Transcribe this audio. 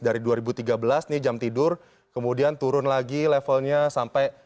dari dua ribu tiga belas ini jam tidur kemudian turun lagi levelnya sampai